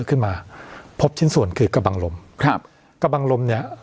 ขึ้นมาพบชิ้นส่วนคือกระบังลมครับกระบังลมเนี้ย